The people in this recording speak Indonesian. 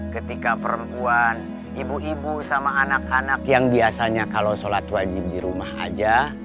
ketika perempuan ibu ibu sama anak anak yang biasanya kalau sholat wajib di rumah aja